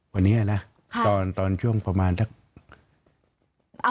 วันนี้นะตอนช่วงประมาณทั้ง